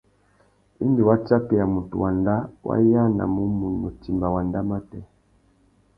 Indi wa tsakeya mutu wanda, wa yānamú munú timba wanda matê.